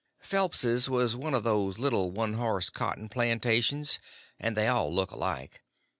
Phelps' was one of these little one horse cotton plantations, and they all look alike.